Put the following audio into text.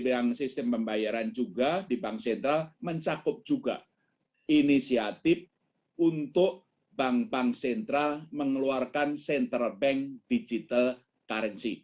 yang sistem pembayaran juga di bank sentral mencakup juga inisiatif untuk bank bank sentral mengeluarkan central bank digital currency